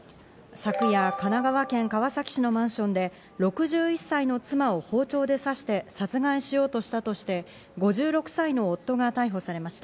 昨夜、神奈川県川崎市のマンションで６１歳の妻を包丁で刺して殺害しようとしたとして、５６歳の夫が逮捕されました。